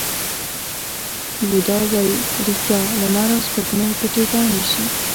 بودا وایي ریښتیا، لمر او سپوږمۍ پټېدای نه شي.